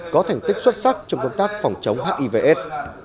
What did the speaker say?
có thành tích xuất sắc trong công tác phòng chống hivs